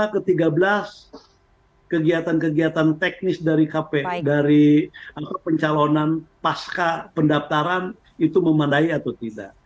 dua puluh lima ke tiga belas kegiatan kegiatan teknis dari kpr dari pencalonan pasca pendaptaran itu memadai atau tidak